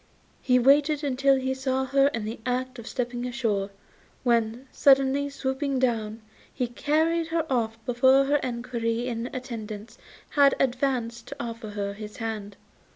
He waited till he saw her in the act of stepping ashore, when, suddenly swooping down, he carried her off before her equerry in attendance had advanced to offer her his hand.